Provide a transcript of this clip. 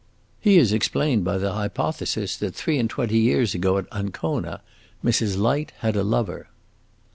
"He is explained by the hypothesis that, three and twenty years ago, at Ancona, Mrs. Light had a lover."